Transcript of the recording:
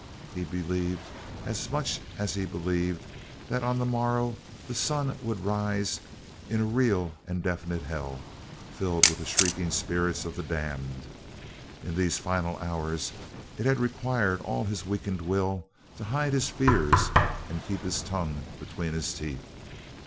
He believed, as much as he believed that on the morrow the sun would rise, in a real and definite hell, filled with the shrieking spirits of the damned. In these final hours it had required all his weakened will to hide his fears and keep his tongue between his teeth.